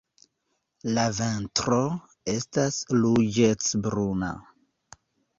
La ventro estas ruĝecbruna.